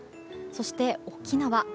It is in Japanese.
そして沖縄